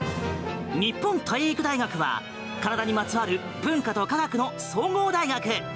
日本体育大学は体にまつわる文化と科学の総合大学。